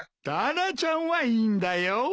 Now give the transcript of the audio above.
タラちゃんはいいんだよ。